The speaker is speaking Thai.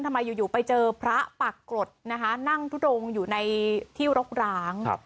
ทำไมอยู่ไปเจอพระปากกรดนะคะนั่งทุดงอยู่ในที่รกร้าง